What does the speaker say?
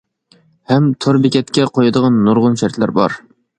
ھەم تور بېكەتكە قويىدىغان نۇرغۇن شەرتلەر بار.